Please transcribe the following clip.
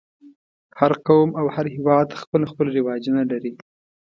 هر قوم او هر هېواد خپل خپل رواجونه لري.